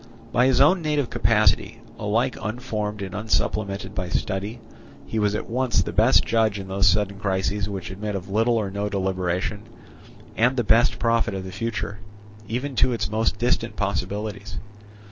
By his own native capacity, alike unformed and unsupplemented by study, he was at once the best judge in those sudden crises which admit of little or of no deliberation, and the best prophet of the future, even to its most distant possibilities.